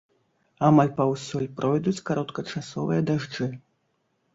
Амаль паўсюль пройдуць кароткачасовыя дажджы.